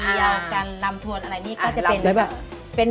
เอากันรำทวนฯอะไรก็จะเป็น